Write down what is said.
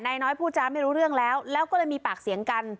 นายน้อยพูดจาไม่รู้เรื่องแล้วแล้วก็เลยมีปากเสียงกัน